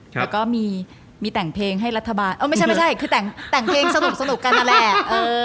แล้วก็มีแต่งเพลงให้รัฐบาลเออไม่ใช่ไม่ใช่คือแต่งเพลงสนุกกันนั่นแหละ